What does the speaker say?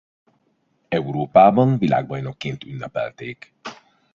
Európában világbajnokként ünnepelték.